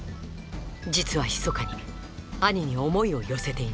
実はひそかにアニに思いを寄せていました